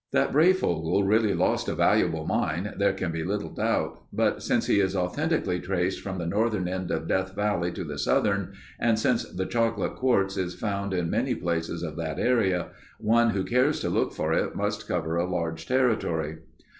That Breyfogle really lost a valuable mine there can be little doubt, but since he is authentically traced from the northern end of Death Valley to the southern, and since the chocolate quartz is found in many places of that area, one who cares to look for it must cover a large territory.